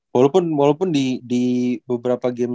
walaupun di beberapa game